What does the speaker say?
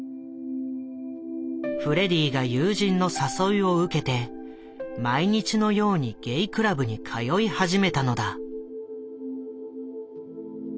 フレディが友人の誘いを受けて毎日のようにゲイクラブに通い始めたのだ。